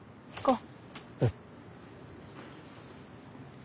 うん。